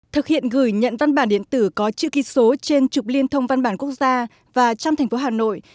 thực hiện gửi nhận văn bản điện tử có chữ ký số trên trục liên thông văn bản quốc gia và trăm thành phố hà nội